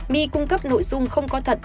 my cung cấp nội dung không có thật